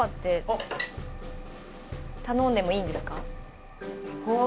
頼んでもいいんですか？